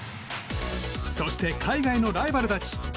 そして海外のライバルたち。